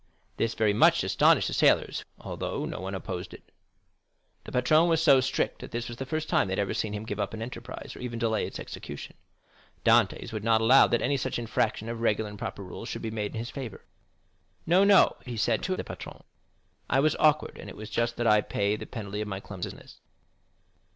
This very much astonished the sailors, although, not one opposed it. The patron was so strict that this was the first time they had ever seen him give up an enterprise, or even delay in its execution. Dantès would not allow that any such infraction of regular and proper rules should be made in his favor. "No, no," he said to the patron, "I was awkward, and it is just that I pay the penalty of my clumsiness.